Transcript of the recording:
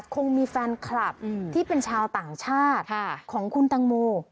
คงมีแฟนคลับที่เป็นชาวต่างชาติของคุณตังโม